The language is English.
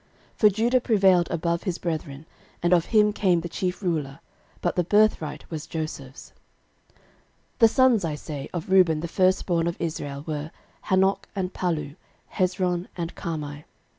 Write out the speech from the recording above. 13:005:002 For Judah prevailed above his brethren, and of him came the chief ruler; but the birthright was Joseph's:) 13:005:003 The sons, I say, of Reuben the firstborn of Israel were, Hanoch, and Pallu, Hezron, and Carmi.